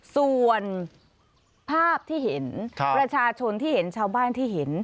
ส่วนภาพที่เห็นประชาชนที่เห็นชาวบ้านที่เห็น